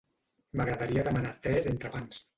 M'agradaria demanar tres entrepans.